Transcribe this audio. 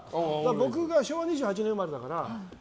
僕が昭和２８年生まれだから。